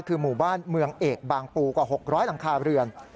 คือหมู่บ้านเมืองเอกบางปูกว่า๖๐๐หลังคาเรือน